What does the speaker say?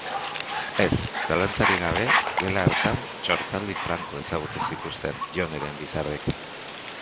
Ez, zalantzarik gabe, gela hartan txortaldi franko ezagutu zituzten Joneren bizarrek.